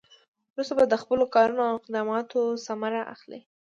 وروسته به د خپلو کارونو او اقداماتو ثمره اخلي.